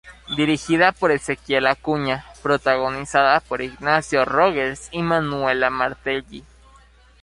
Dirigida por Ezequiel Acuña, protagonizada por Ignacio Rogers y Manuela Martelli.